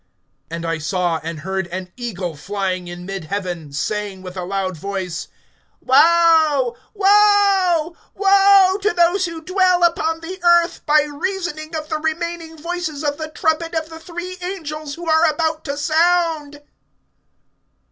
(13)And I saw, and heard an eagle flying in mid heaven, saying with a loud voice: Woe, woe, woe, to those who dwell upon the earth, by reason of the remaining voices of the trumpet of the three angels who are about to sound!